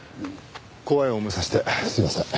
怖い思いさせてすいません。